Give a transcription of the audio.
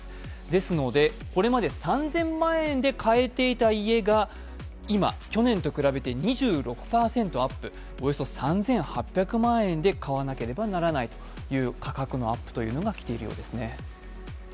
ですのでこれまで３０００万円で買えていた家が今、去年と比べて２６％アップ、およそ３８００万円で買わなければならないという価格のアップというのが来ているようですね。